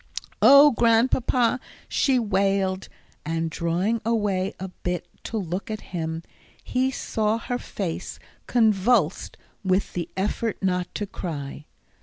"Oh, Grandpapa," she wailed, and drawing away a bit to look at him, he saw her face convulsed with the effort not to cry.